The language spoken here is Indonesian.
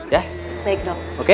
ya baik dong oke